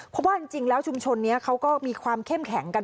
เพราะว่าจริงแล้วชุมชนนี้เขาก็มีความเข้มแข็งกัน